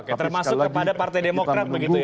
oke termasuk kepada partai demokrat begitu ya